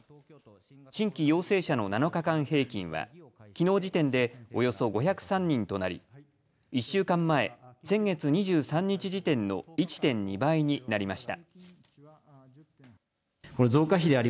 新規陽性者の７日間平均はきのう時点でおよそ５０３人となり１週間前、先月２３日時点の１．２倍になりました。